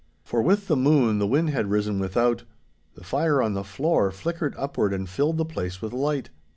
For with the moon the wind had risen without. The fire on the floor flickered upward and filled the place with light.